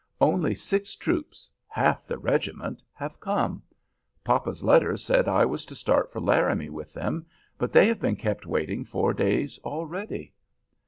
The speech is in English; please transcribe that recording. Only six troops half the regiment have come. Papa's letter said I was to start for Laramie with them, but they have been kept waiting four days already."